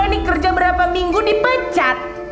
ini kerja berapa minggu dipacat